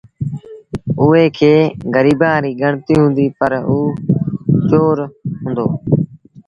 اُئي کي گريبآنٚ ريٚ ڳڻتيٚ هُنٚديٚ پر اوٚ چور هُݩدو۔